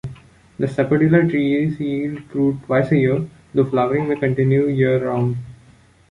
The sapodilla trees yield fruit twice a year, though flowering may continue year round.